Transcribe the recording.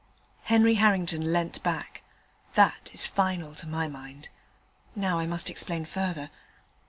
Henry Harrington leant back. 'That is final to my mind. Now I must explain further.